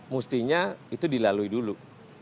mestinya itu dilalui dulu